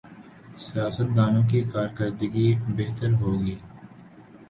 سیاستدانوں کی کارکردگی بہتر ہو گی۔